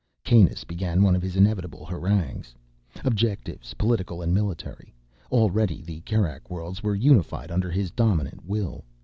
Kanus began one of his inevitable harangues. Objectives, political and military. Already the Kerak Worlds were unified under his dominant will.